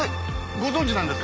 ご存じなんですか？